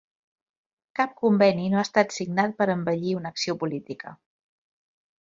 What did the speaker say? Cap conveni no ha estat signat per embellir una acció política.